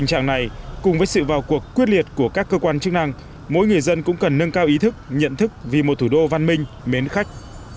trong cuộc quyết liệt của các cơ quan chức năng mỗi người dân cũng cần nâng cao ý thức nhận thức vì một thủ đô văn minh mến khách